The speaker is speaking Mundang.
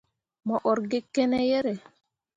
Mo ur gi kene yerre ?